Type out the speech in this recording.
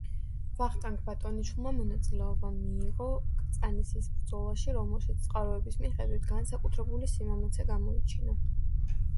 ვახტანგ ბატონიშვილმა მონაწილეობა მიიღო კრწანისის ბრძოლაში, რომელშიც წყაროების მიხედვით განსაკუთრებული სიმამაცე გამოიჩინა.